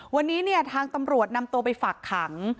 วันนี้เนี่ยทางตำรวจนำตัวไปฝากขัง